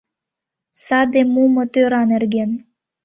— Саде Мумо-тӧра нерген.